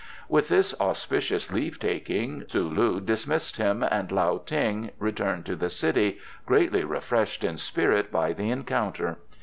With this auspicious leave taking Tzu lu dismissed him, and Lao Ting returned to the city greatly refreshed in spirit by the encounter.